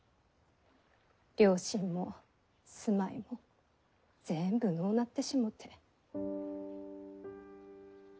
両親も住まいも全部失うなってしもて。